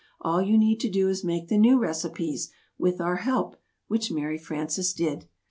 All you need to do is to make the new recipes with our help," which Mary Frances did.